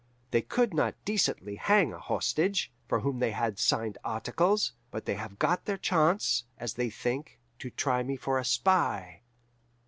They could not decently hang a hostage, for whom they had signed articles; but they have got their chance, as they think, to try me for a spy.